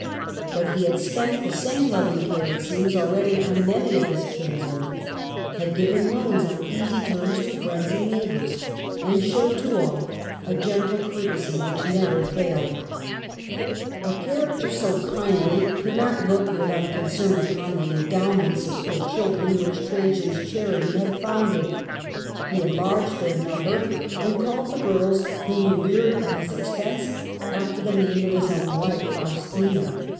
But he had spent the same loving care, it seems, already on many of his kinsmen, had given loans on easy terms to friends and neighbours, and showed to all a gentle courtesy which never failed. A character so His charity kindly could not look with unconcern upon waa tender. endowments for poor children which Trajan's charity had founded. He enlarged their num« 138 161. Antoninus Pius, 75 ber, and called the girls whom he reared at his expense, after the name of his own wife, Faustina.